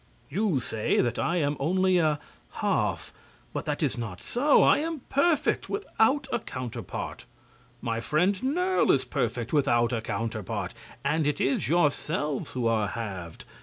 You say I am only a 'half,' but that is not so. I am perfect, without a counterpart; my friend Nerle is perfect without a counterpart, and it is yourselves who are halved.